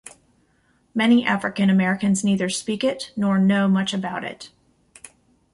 Many African Americans neither speak it nor know much about it.